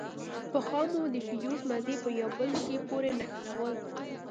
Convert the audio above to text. پخوا به مو د فيوز مزي په يوه بل شي پورې نښلول.